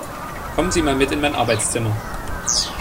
Kommen Sie mal mit in mein Arbeitszimmer!